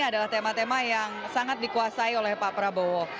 adalah tema tema yang sangat dikuasai oleh pak prabowo